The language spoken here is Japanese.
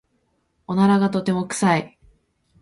おならがとても臭い。